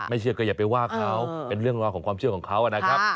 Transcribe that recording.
เชื่อก็อย่าไปว่าเขาเป็นเรื่องราวของความเชื่อของเขานะครับ